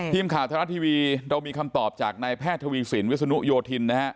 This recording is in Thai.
ทีมข่าวธนาทีวีเรามีคำตอบจากแพทย์ทวีสินวิสุนุโยธิน